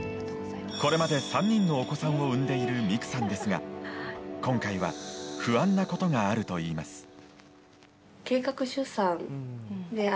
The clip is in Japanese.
これまで３人のお子さんを産んでいる未来さんですが今回は、不安なことがあるといいます。